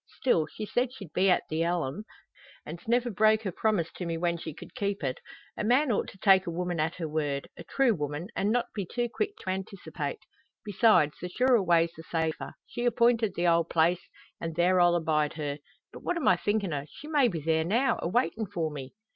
Still, she said she'd be at the elim, an's never broke her promise to me when she cud keep it. A man ought to take a woman at her word a true woman an' not be too quick to anticipate. Besides, the surer way's the safer. She appointed the old place, an' there I'll abide her. But what am I thinkin' o'? She may be there now, a waitin' for me!"